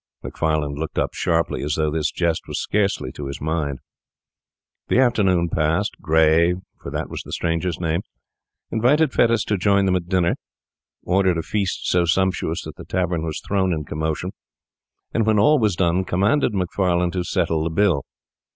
Macfarlane looked up sharply, as though this jest were scarcely to his mind. The afternoon passed. Gray, for that was the stranger's name, invited Fettes to join them at dinner, ordered a feast so sumptuous that the tavern was thrown into commotion, and when all was done commanded Macfarlane to settle the bill.